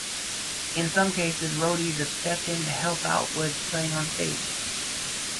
In some cases, roadies have stepped in to help out with playing onstage.